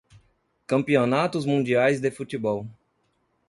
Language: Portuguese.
Campeonatos mundiais de futebol.